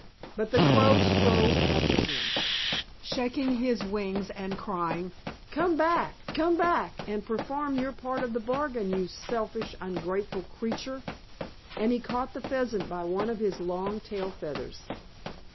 But the Crow strode after him, shaking his wings and crying, "Come back, come back and perform your part of the bargain, you selfish, ungrateful creature!" And he caught the Pheasant by one of his long tail feathers.